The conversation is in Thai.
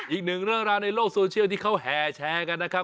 อีกหนึ่งเรื่องราวในโลกโซเชียลที่เขาแห่แชร์กันนะครับ